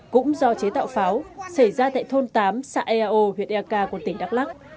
cũng do chế tạo pháo xảy ra tại thôn tám xã eao huyện ea ca của tỉnh đắk lắc